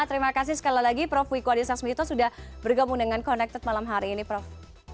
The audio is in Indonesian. terima kasih sekali lagi prof wiku adhisa smito sudah bergabung dengan connected malam hari ini prof